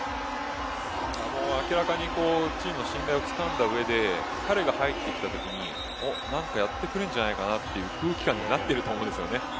明らかにチームの信頼をつかんだ上で彼が入ってきたときに、何かやってくれるという空気感になっていると思うんですよね。